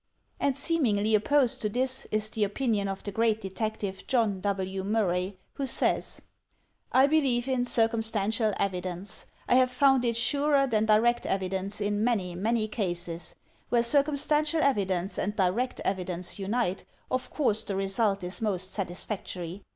And seemingly opposed to this, is the opinion of the great detective John W. Murray, who says: "I believe in circumstantial evidence. I have found it surer than direct evidence in many, many cases. Where circumstantial evidence and direct evidence unite, of course, the result is most satisfactory.